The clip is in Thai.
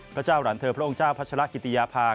พระเจ้าหลานเธอพระองค์พระชะลักษณะกิตตียภาค